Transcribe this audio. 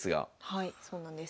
はいそうなんです。